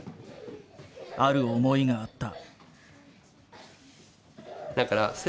ある思いがあった。